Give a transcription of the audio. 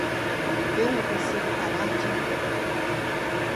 Eu não consigo parar de rir.